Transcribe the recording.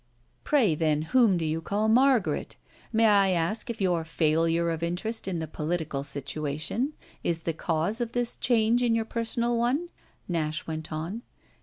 "Pray then whom do you call Margaret? May I ask if your failure of interest in the political situation is the cause of this change in your personal one?" Nash went on.